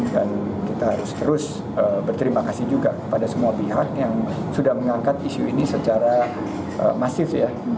dan kita harus terus berterima kasih juga kepada semua pihak yang sudah mengangkat isu ini secara masif